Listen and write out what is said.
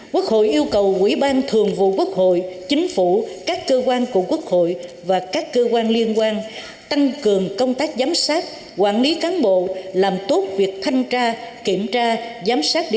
quốc hội yêu cầu quỹ ban thường vụ quốc hội chính phủ các cơ quan của quốc hội và các cơ quan liên quan tăng cường công tác giám sát quản lý cán bộ làm tốt việc thanh tra kiểm tra giám sát địa